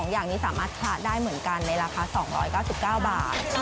อย่างนี้สามารถชะได้เหมือนกันในราคา๒๙๙บาท